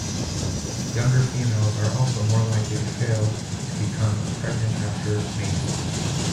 Younger females are also more likely to fail to become pregnant after mating.